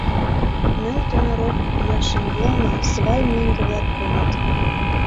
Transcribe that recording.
Нӧлтымӧ рок пӱя шеҥгелне свай меҥге-влак койыт.